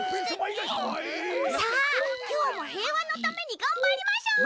さあきょうもへいわのためにがんばりましょう。